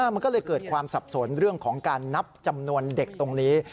มันก็เลยเกิดความสับสนเรื่องของการนับจำนวนเด็กตรงนี้